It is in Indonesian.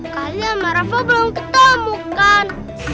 kalian merah pabung ketemukan